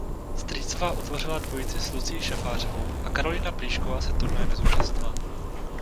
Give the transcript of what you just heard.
Strýcová utvořila dvojici s Lucií Šafářovou a Karolína Plíšková se turnaje nezúčastnila.